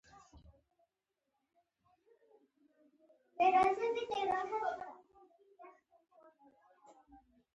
زه د هوا د بدلون احساس کوم.